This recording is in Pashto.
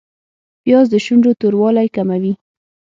پیاز د شونډو توروالی کموي